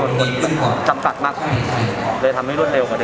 โปรดติดตามตอนต่อไป